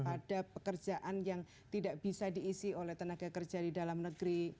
ada pekerjaan yang tidak bisa diisi oleh tenaga kerja di dalam negeri